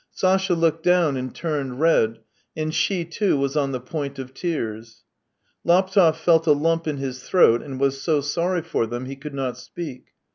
Sasha looked down and turned red, and she, too, was on the point of tears. Laptev felt a lump in his throat, and was so sorry for them he could not speak.